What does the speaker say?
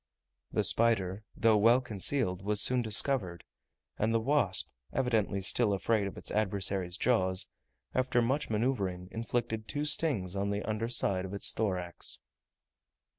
The spider, though well concealed, was soon discovered, and the wasp, evidently still afraid of its adversary's jaws, after much manoeuvring, inflicted two stings on the under side of its thorax.